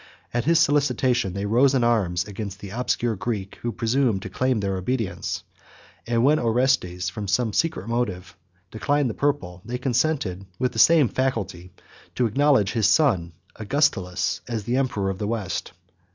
At his solicitation they rose in arms against the obscure Greek, who presumed to claim their obedience; and when Orestes, from some secret motive, declined the purple, they consented, with the same facility, to acknowledge his son Augustulus as the emperor of the West.